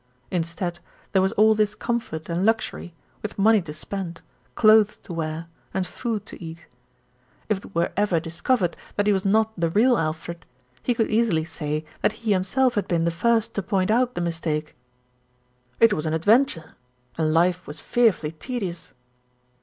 Instead, there was all this comfort and luxury, with money to spend, clothes to wear, and food to eat. If it were ever discovered that he was not the real Alfred, he could easily say that he himself had been the first to point out the mistake. It was an adventure, and life was fearfully tedious.